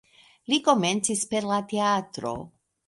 Li komencis per la teatro.